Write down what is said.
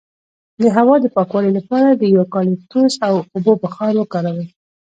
د هوا د پاکوالي لپاره د یوکالیپټوس او اوبو بخار وکاروئ